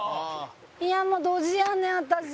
いやもうドジやねん私！